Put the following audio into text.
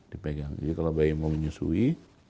dipegang jadi kalau bayi mau menyusui